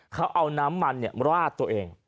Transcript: เขาเอาน้ำมันราดตัวเอง